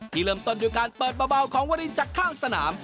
เริ่มต้นด้วยการเปิดเบาของวรินจากข้างสนาม